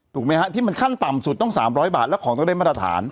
ไหมฮะที่มันขั้นต่ำสุดต้อง๓๐๐บาทแล้วของต้องได้มาตรฐาน